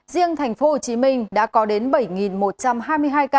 riêng tp hcm đã có đến bảy một trăm hai mươi hai ca